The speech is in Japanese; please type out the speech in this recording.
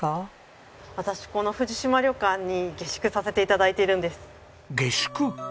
私この藤島旅館に下宿させて頂いているんです。下宿！？